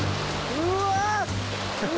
うわ！